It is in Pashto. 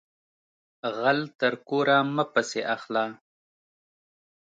غل تر کوره مه پسی اخله